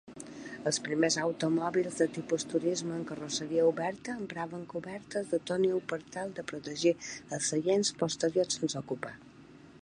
Els primers automòbils de tipus turisme amb carrosseria oberta empraven cobertes del "tonneau" per tal de protegir els seients posteriors sense ocupar.